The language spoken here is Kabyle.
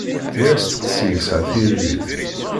Yal asteqsi yesɛa tiririt.